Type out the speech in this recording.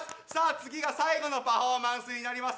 次が最後のパフォーマンスになります。